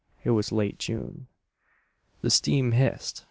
It was late June. The steam hissed.